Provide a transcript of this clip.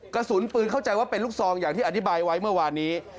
กระสุนปืนเข้าใจว่าเป็นลูกซองอย่างที่อธิบายไว้เมื่อวานนี้